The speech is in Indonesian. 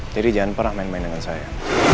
jadi jangan pernah main main dengan saya